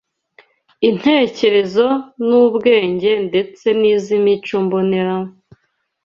intekerezo n’ubwenge ndetse n’iz’imico mbonera